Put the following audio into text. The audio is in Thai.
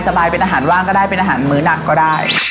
สบายเป็นอาหารว่างก็ได้เป็นอาหารมื้อหนักก็ได้